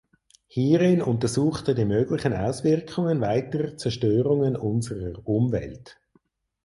Hierin untersucht er die möglichen Auswirkungen weiterer Zerstörungen unserer Umwelt.